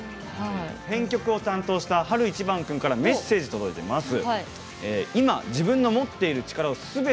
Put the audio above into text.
編曲を担当した晴いちばん君からのメッセージが届いています。